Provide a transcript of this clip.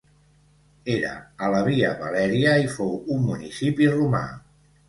Era a la via Valèria i fou un municipi romà.